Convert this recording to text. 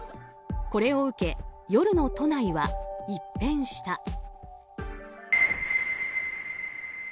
これを受け、夜の都内は一変した。